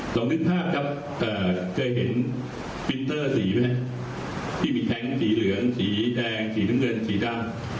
ตรงนี้ภาพครับเอ่อเคยเห็นปรินเตอร์สีไหมครับที่มีแท็งส์สีเหลืองสีแดงสีน้ำเงินสีด้าน